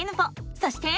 そして。